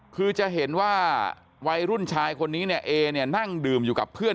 คือจะเห็นว่าวัยรุ่นชายคนนี้เนี่ยเอเนี่ยนั่งดื่มอยู่กับเพื่อน